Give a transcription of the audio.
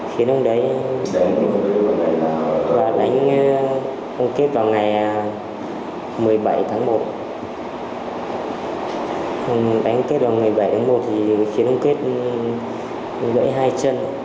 khiến ông kết bị thương tật ba mươi bảy